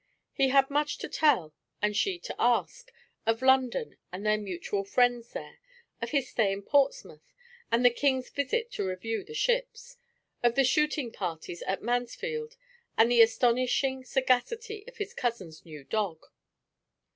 He had much to tell, and she to ask, of London and their mutual friends there, of his stay in Portsmouth and the King's visit to review the ships, of the shooting parties at Mansfield and the astonishing sagacity of his cousin's new dog.